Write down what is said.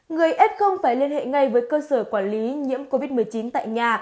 người ép không phải liên hệ ngay với cơ sở quản lý nhiễm covid một mươi chín tại nhà